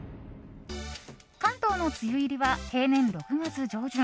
関東の梅雨入りは平年６月上旬。